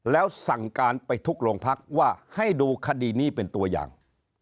แล้วสั่งการไปทุกโรงพักว่าให้ดูคดีนี้เป็นตัวอย่าง